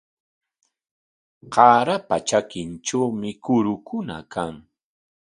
Qaarapa trakintrawmi kurukuna kan.